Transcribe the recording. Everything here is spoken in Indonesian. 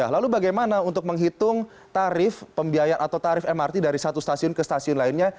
lalu bagaimana untuk menghitung tarif pembiayaan atau tarif mrt dari satu stasiun ke stasiun lainnya